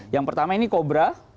yang pertama ini cobra